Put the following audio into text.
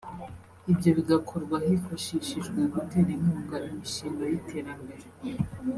ibyo bigakorwa hifashishijwe gutera inkunga imishinga y’iterambere